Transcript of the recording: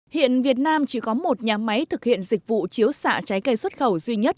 hiện việt nam chỉ có một nhà máy thực hiện dịch vụ chiếu xạ trái cây xuất khẩu duy nhất